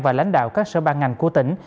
và lãnh đạo các sở ban ngành của tỉnh